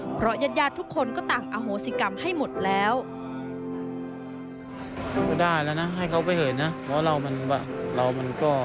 เพราะยัดยาทุกคนก็ตั้งอโฮศิกรรมให้หมดแล้ว